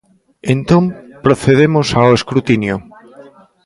Entón, procedemos ao escrutinio.